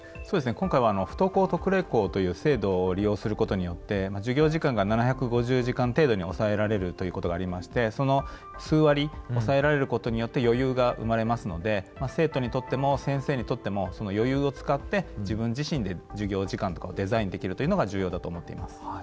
今回は不登校特例校という制度を利用することによって授業時間が７５０時間程度に抑えられるということがありましてその数割抑えられることによって余裕が生まれますので生徒にとっても先生にとってもその余裕を使って自分自身で授業時間とかをデザインできるというのが重要だと思っています。